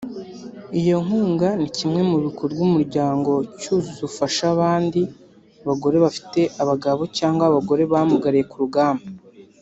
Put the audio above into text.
Iyo nkunga ni kimwe mu bikorwa Umuryango Cyuzuzo ufasha abandi bagore bafite abagabo cyangwa abagore bamugariye ku rugamba